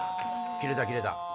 切れた切れた。